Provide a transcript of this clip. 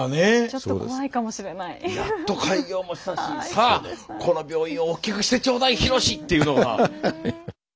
あこの病院を大きくしてちょうだいひろしっていうのが。